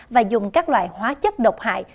và dùng các loại hóa chất độc hại